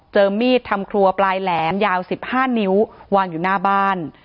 มีดทำครัวปลายแหลมยาว๑๕นิ้ววางอยู่หน้าบ้าน